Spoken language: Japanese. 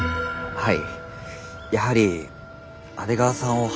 はい。